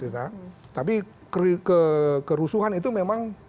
tapi kerusuhan itu memang